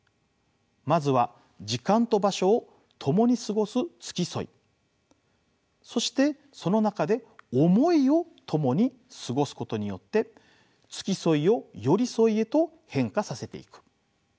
まずは時間と場所を共に過ごす付き添いそしてその中で思いを共に過ごすことによって付き添いを寄り添いへと変化させていく。